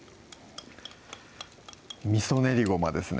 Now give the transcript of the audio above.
みそ練りごまですね